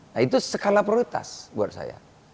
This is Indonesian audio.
nah itu skala prioritas buat saya